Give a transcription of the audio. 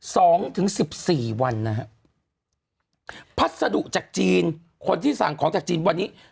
สองถึงสิบสี่วันนะฮะพัสดุจากจีนคนที่สั่งของจากจีนวันนี้